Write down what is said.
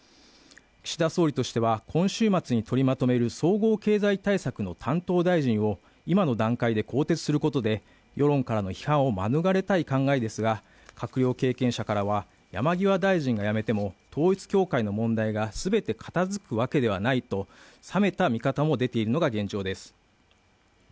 岸田総理としては今週末に取りまとめる総合経済対策の担当大臣を今の段階で更迭することで世論からの批判を免れたい考えですが閣僚経験者からは、山際大臣が辞めても統一教会の問題が全て片づくわけではないと冷めた見方も出ているのが現状です。